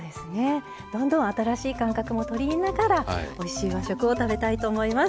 どんどん新しい感覚も取り入れながらおいしい和食を食べたいと思います。